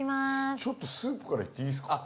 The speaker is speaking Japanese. ちょっとスープからいっていいですかあっ